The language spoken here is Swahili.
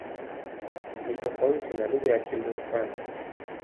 Ni tofauti na lugha ya Kimur-Pano.